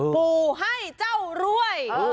ปู่ให้เจ้ารวย